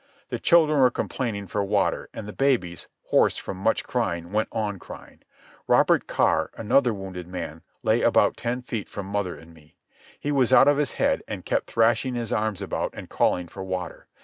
The children were complaining for water, and the babies, hoarse from much crying, went on crying. Robert Carr, another wounded man, lay about ten feet from mother and me. He was out of his head, and kept thrashing his arms about and calling for water.